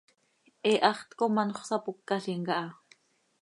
He haxt com anxö sapócalim caha.